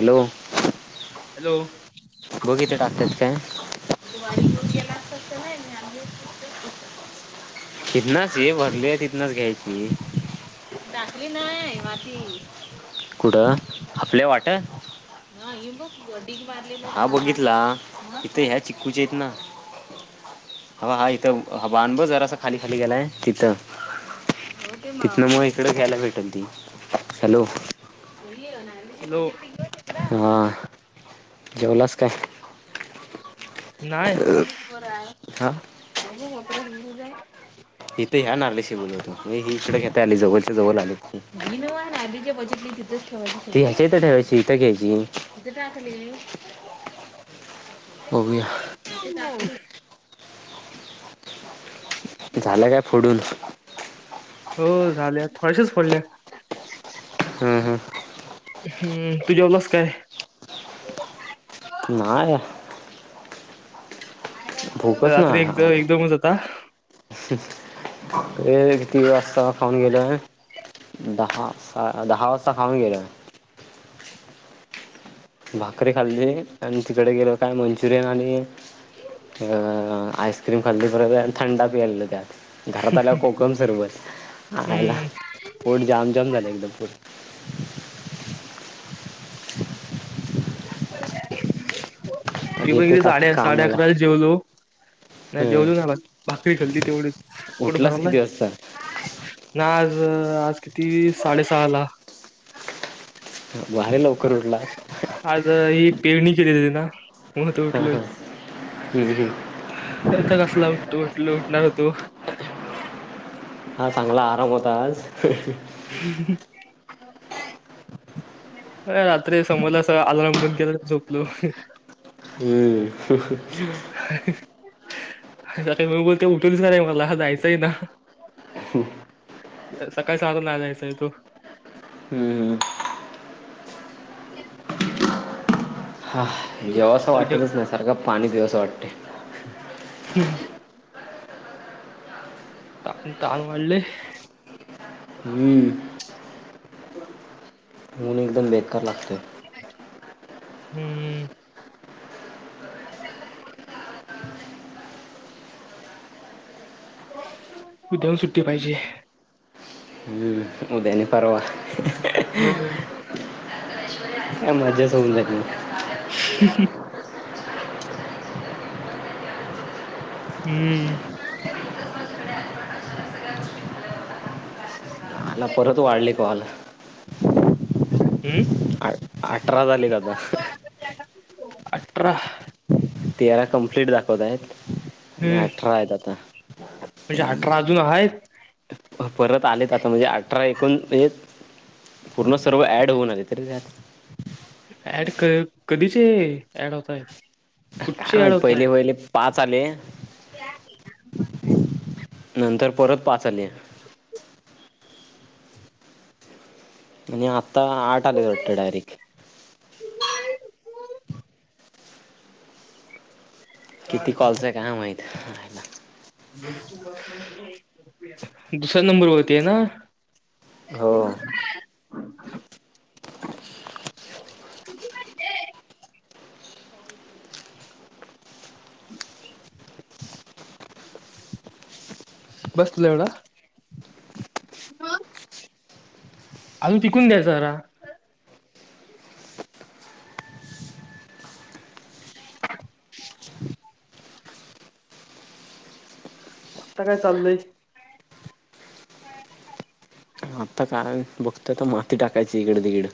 Hello. Hello. टाक काय तथनाच ये भरले तिथनाच ग्यायची. नाय वाटेत कुठं आपल्या वाट बघ हा बघितला इथं ह्या चिकूच्याइत ना हा इथ ह बाण ब जरासा खाली खाली गेलाय तिथं तिथन मग इकड घ्यायला भेट [unintelligible] हॅलो हॅलो हां. जेवलास काय? [inaudible] नाही. हा हथ ह्या नाल्याशी बोलतो ही इकड घेता आली जवळच्या जवळ आले त ह्याच्या इथ ठेवायची इथं घ्यायची इथं ग्याची [unintelligible] झालं काय फोडून? हो झाल्या थोडशाच फ़ोडल्या. हम्म हम्म हम्म तु जेवलास काय? नाय रात्री नाही एक ज आला एक दोघचता ते किती व्याज खाऊन गेले दहा दहावस्ता खाऊन गेलोय भाकरी खाल्ली आणि तिकडे गेलो काय मंचुरियन आणि अ अ आईस्क्रीम खाल्ली परत थंडा प्यायलो त्यात घरात आल्यावं कोकम सरबत आईला हम्म पोट जामजाम झाला एकदम [inaudible] [inaudible] मग हे येते बघे काकी साडे साडे कामाला अकराला जेवलो हम्म जेवलो नाई भाकरी खाल्ली तेवढी पोट उठलास भरलाय किती वाजता ना अ अ आज किती साडेसहा ला भारी लवकर उठलास आज ही पेरणीचे दिलेले ना मत हा हा उठलोय हम्म, हम्म. येत कसला उठतो उठलो न तू हा चांगला आराम होता आज हह हा हा अ रात्री समोसलं अस आलारम बंद केलो आणि झोपलो हम्म हह मम्मी न बोलता उठवलीच नाही मला जायचं आहे ना ह सकाळी सहाला नाही जायचं आहे तो हम्म [inaudible] हा जेवा असं उद्या वाटतच ना सारख पाणी पिवस वाटते हम्म त ताण वाढले हम ब ऊन एकदम बेकार लागतय हम्म उद्या पण सुट्टी पाहिजे हम्म उद्याने परवा. हो. का मजाच होऊन जाईल म. ह. हम्म. [inaudible] आला परत वाढली कॉल. [inaudible] हम्म आ- अठरा झालेत आता अठरा. तेरा कम्प्लीट दाखवत आहेत. आणि हम्म अठरा आहेत आता. [inaudible] म्हणजे अठरा अजून आहेत. परत आलेत आता म्हणजे अठरा एकूण म्हणजे पूर्ण सर्व ऍड होऊन आले रे त्यात. ऍड क कधीचे ऍड होताय. काय माहित पहिली पहिली पाच. चाले. नंतर परत पाच आले. मण आ [inaudible] आता आठ आले वाटत डायरेक्ट. किती कॉलच काय माहित. [inaudible] दुसऱ्या नंबरवरती आहे ना. हो. [inaudible] [unintelligible] बसलं एवढा. अजून टि कून द्यायचरा [unintelligible] आता काय चाललय. काय [inaudible] आत्ता काय बघतो ते माती टाकयच. तिघड तिकड.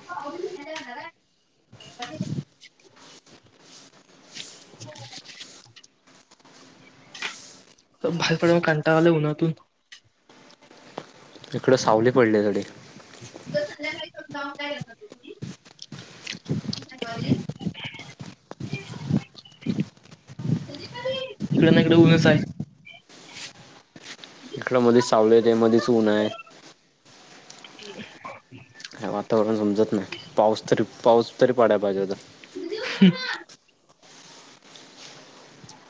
[inaudible] भाहेर पडून कंटाळा आलाय उन्हातून. इकडं सावली पडली तरी. इकडे ना इकडे ऊनच आहे. इकड मधीच सावली यते मधीच ऊन आहे. हम् [unintelligible] वातावरण समजत नाही पाऊस तरी पाऊस तरी पाडाय पाहिजे होता. ह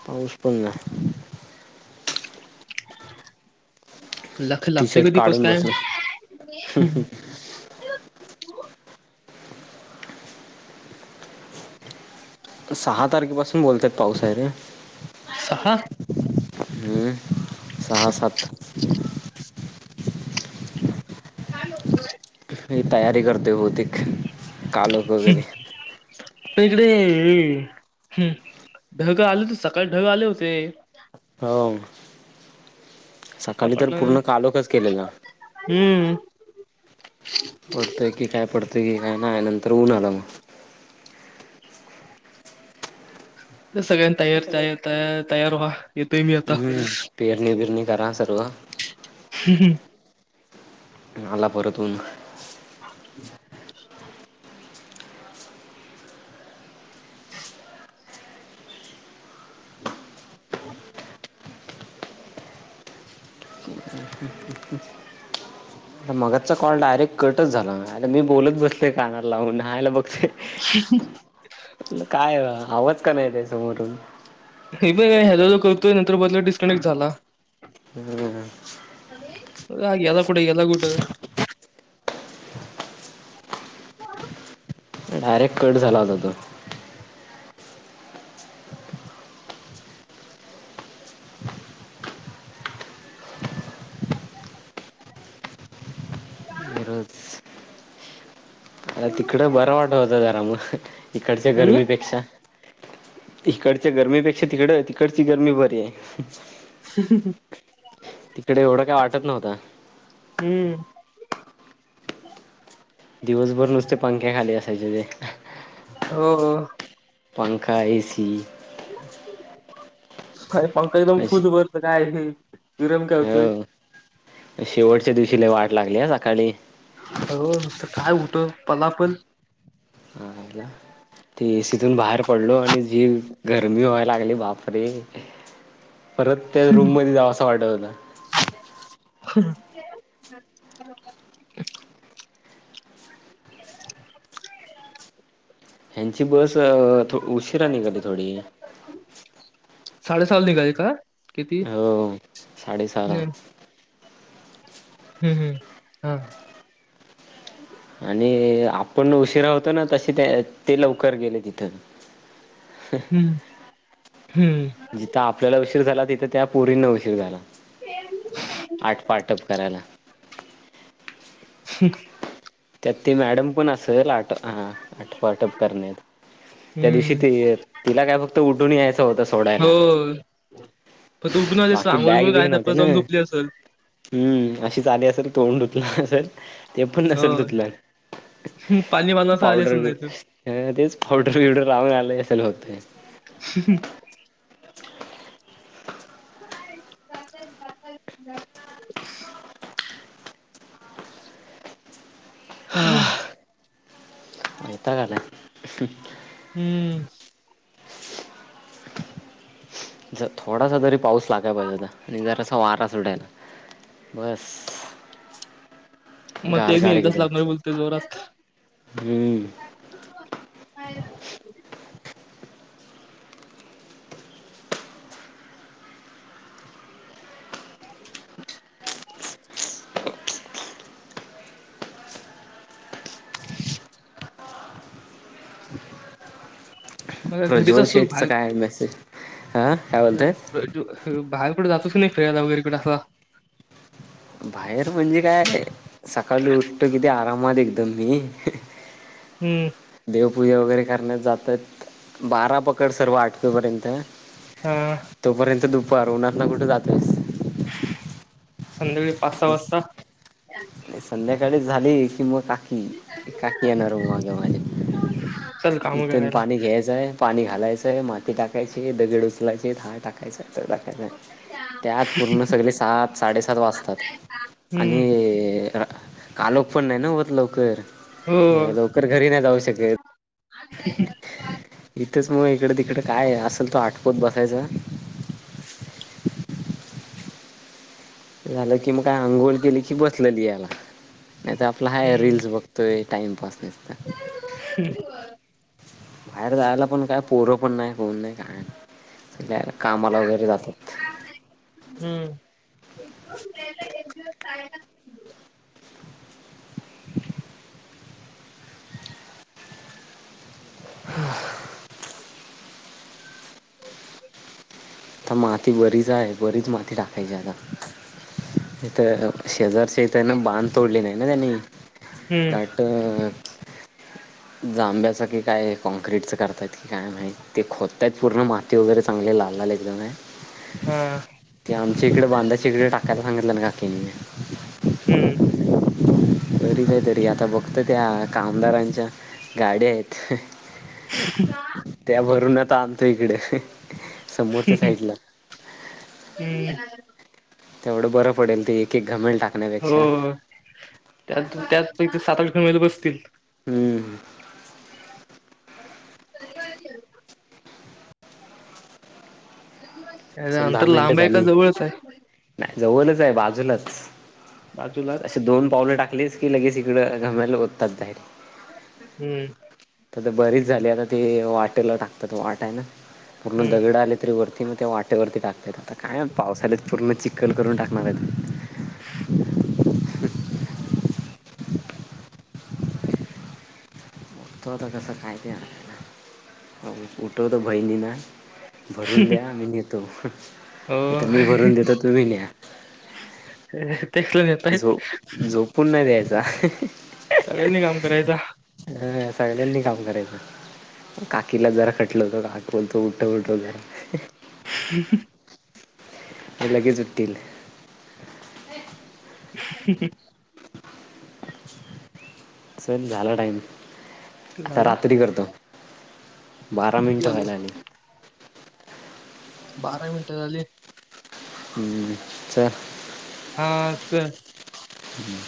पाऊस पण नाय. लख टी लागतोय शर्ट कधी पस काढून काय? बसलो सहा तारखेपासून बोलतात पाऊस आहे रे. सहा. हम्म सहा सात [unintelligible] काय. [inaudible] तयारी करतोय बहुतेक. काल होतो घरी. [unintelligible] इकडे हम् ढगं आले होते सकाळी ढग आले होते. ह. का सकाळी तर पडला नाही पूर्ण कालोकच केलेला. हम्म. पडतंय की काय पडतंय की काय नाही नंतर ऊन आला मग. ते सगळ्यांनी तयार तयार व्हा येतोय मी आता. हम्म पेरणी बिरणी करा सर्व ह ह. आला पररतून. [inaudible] [inaudible] हो. आता मगाचा कॉल डायरेक्ट कटच झाला. आता मी बोलत बसले काना लावून आयला बघ काय आव पका नाही त्या समोरून. हा मी पण हॅलो हॅलो करतोय नंतर मनानं डिस्कनेक्ट झाला. अरे! हा गेला कुठे? गेला कुठं? डायरेक्ट कट झाला होता तो. अर तिकडं बरं वाटत होतं जरा पण ह. इकडच्या हम्म गरमीपेक्षा इकडच्या गर्मीपेक्षा तिकड तिकडची गर्मी बरी आहे. ह् ह ह. तिकडे एवढं काय वाटत नव्हतं. हम्म. दिवसभर नुसते पंख्या खाली असायचे ते. हो हो. पंखा, ए सी. फय. मग का एकदम फूठ भरत काय हे. घरून करतोय. हो शेवटच्या दिवशीला वाट लागली सकाळी हो नुसत काय उठ मलापण हा हला ते एसीतून बाहेर पडलो आणि जी गरमी व्हाय लागली बापरे परत त्या रूममध्येध्ये जावं असं वाटत होता. हा ह्यांची बस उशिरा निघाली. थोडी साडे सल निघाले का किती हो साडे सारा हम्म हम्म हा आणि आपण उशिरा होतो. ना तसे ते ते लवकर गेले. तिथं हम्म हम्म जिथ आपल्याला उशीर झाला. त त्या पोरीना उशीर झाला. आठपाटप करायला. श त्यात ते मॅडम पण असं लाट हा आटपटप करण्यात त्या दिवशी हम्म त तिला काय फक्त उठून यायचं होत हो सोडायला. पण तू उठून आलीस बाकी बॅग आंघोळ बीग काय नव्हते नाही ना जाऊन झोपली असेल हम्म अशी आली असेल तोंड असल. ते पण हो नसेल त हम्म, पाणी बांधायला आली पावडर असेल नाही तू तेच पावडर बिवडर लावून आलं असेल होतय. ज [unintelligible] हा हो यता काण आहे. हम्म ज थोडासा जरी पाऊस लागय भाज होता आणि जर असं वारा अस उडटाला. बस मग ते गारगार मल कस एकदम लागणार बोलते जोरात. हम्म मग घरीच प्रज्वल असतो बाहेर शेठचचा काय आहे. मेसेज ह हा का्या बोलत. म्हणजे प्र- जो- बाहेर कडं जातच नाही फिरायला वगैरेकडे असं. बाहेर म्हणजे काय. सकाळी उट गे आराम मत एकदम मी हम्म देवपूजा वगैरे करण्यात जातात बारा पकड सर्व आठवीपर्यंत हा तोपर्यंत दुप परवनात ना कुठे जातयस संध्याकाळी पाच सहा वाजता गाडी झाली कि मग काकी काकी येणार म माझं माझ्या चल काम इथून करायला पाणी घ्यायचंय पाणी घालायचं आहे माती टाकायची दगड उचलायची आहेत हार टाकायचं आहे. त्यात पूर्ण सगळे सात साडेसात वाजतात. आणि हम्म कालोक पण नाही ना होत लवकर हो लवकर घरी नाही जाऊ शकत. [inaudible] इथंच मग इकडे तिकड काय आहे असल तो आठपत बसायच. झालं की मग काय अंघोळ केली कि बसले द्यायला. नाही तर आपला हाय हम्म रिल्स बघतोय. टाइमपास निस्ता बाहेर जायला पण काय पोरं पण नाय कोण नाय कायनाय सगळे कामाला वगैरे जातात. हम्म [unintelligible] [inaudible] [inaudible] त माती बरीच आहे बरीच माती टाकायची आता इथं शेजारचेता आहे ना बाध तोडले नाही ना त्यांनी हम्म दाट जांब्याच की काय कॉँक्रीटच करतायत की काय माहित ते खोदतायत पूर्ण माती वगैरे चांगले लाल लाल एकदम आहे. हा ते आमच्या इकडे बांधाच्या इकडे टाकल्यात [unintelligible] हम्म बरीच आहे तरी आता बघत त्या कामगारांच्या.... गाडी आहे त्या भरूनच ताआणतो इकडे. ह् समोरच्या हम्म साईडला तेवढं बरं पडेल ते एक एक घमेल टाकण्यापेक्षा होय त्यात त्यापैकी सात आठ [unintelligible] बसतील. हम्म [inaudible] त्याच चल दहा अंतर मिनटं लांब आहे झाली का जवळच आहे? नाही जवळच बाजूलाच बाजूलाच असे दोन पावले टाकली... खालीच की लगेच इकडं घमेल ओतात बाहेर हम्म आ बरीच झाली आता ते वाटेला टाकतात, वाटायला. पूर्ण हम्म दगड आले तरी वरती म... ते वाट.. वरती टाकता येत आता काय पावसाळ्यात पूर्ण चिखल करून टाकणार आहेत. उठतो आता कसं काहीत आण ना, उठवतो बहिणी ना भरून द्या मी नेतो इथं मी हो भरून देतो तुम्ही न्या. तेच नेतायत झो झोपून नाही द्यायचं. जाय. सगळ्यांनी काम करायचा हा सगळ्यांनी काम करायचं. काकीला जरा खटल होत हा बोलतो उठव उठव जरा. [unintelligible] लगेच उठतील. [unintelligible] चल झाला टाईम. आता झाला रात्री करतो. बारा किती मिनिटं झाले? व्हायला आली. बारा मिनटं झाली. हम्म चल हा चल. हम्म